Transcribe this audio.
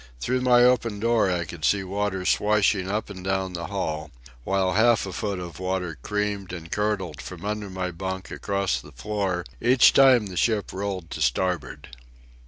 Through my open door I could see water swashing up and down the hall, while half a foot of water creamed and curdled from under my bunk across the floor each time the ship rolled to starboard.